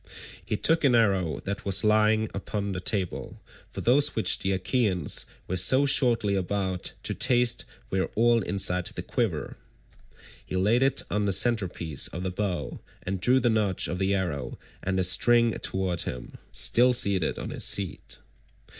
He took an arrow that was lying upon the table165—for those which the Achaeans were so shortly about to taste were all inside the quiver—he laid it on the centre piece of the bow, and drew the notch of the arrow and the string toward him, still seated on his seat.